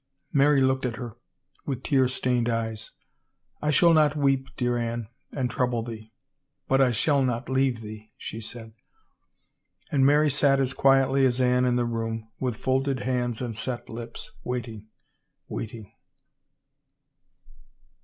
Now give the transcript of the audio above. Mary looked at her with tear stained eyes. " I shall not weep, dear Anne, and trouble thee. But I shall not leave thee," she said. And Mary sat as quietly as Anne in the room, with folded hands and set lips, waiting, wait ing.